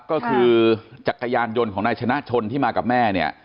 ก็คือจักรยานยนต์ของนายชนะชนที่มากับแม่เนี่ย